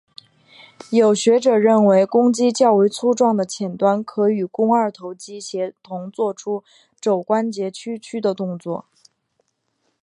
有学者认为肱肌较为粗壮的浅端可与与肱二头肌协同作出肘关节屈曲的动作。